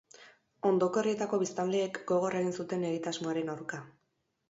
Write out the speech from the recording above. Ondoko herrietako biztanleek gogor egin zuten egitasmoaren aurka.